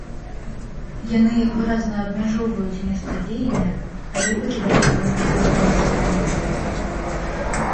Яны выразна абмяжоўваюць месца дзеяння, але пакідаюць пэўную глыбіню сцэны.